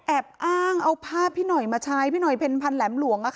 แอบอ้างเอาภาพพี่หน่อยมาใช้พี่หน่อยเพ็ญพันธ์แหลมหลวง